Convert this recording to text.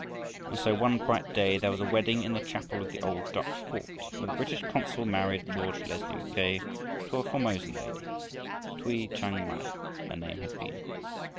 And so one bright day, there was a wedding in the chapel of the old Dutch fort, where the British consul married George Leslie Mackay to a Formosan lady. Tui Chhang Mai, her name had been.